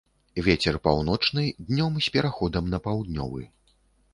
Вецер паўночны, днём з пераходам на паўднёвы.